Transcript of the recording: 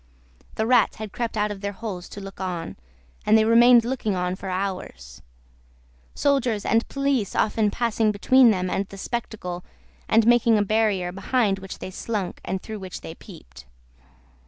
The rats had crept out of their holes to look on, and they remained looking on for hours; soldiers and police often passing between them and the spectacle, and making a barrier behind which they slunk, and through which they peeped.